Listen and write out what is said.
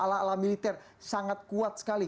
alam militer sangat kuat sekali